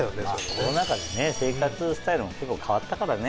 コロナ禍で生活スタイルも結構変わったからね。